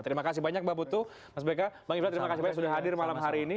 terima kasih banyak mbak putu mas beka bang ifdal terima kasih banyak sudah hadir malam hari ini